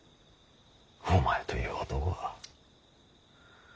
お前という男は。